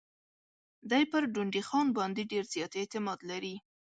دی پر ډونډي خان باندي ډېر زیات اعتماد لري.